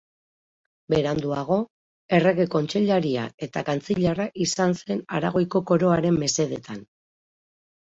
Beranduago, errege kontseilaria eta kantzilerra izan zen Aragoiko koroaren mesedetan.